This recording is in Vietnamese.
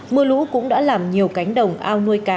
mưa lũ cũng đã làm nhiều cánh đồng ao nuôi cá